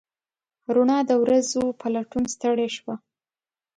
روڼا د ورځو په لټون ستړې شوه